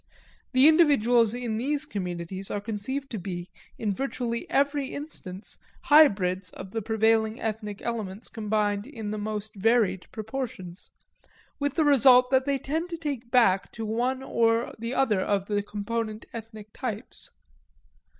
The individuals in these communities are conceived to be, in virtually every instance, hybrids of the prevailing ethnic elements combined in the most varied proportions; with the result that they tend to take back to one or the other of the component ethnic types.